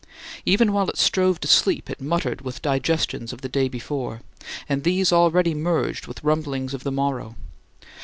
Even while it strove to sleep it muttered with digestions of the day before, and these already merged with rumblings of the morrow.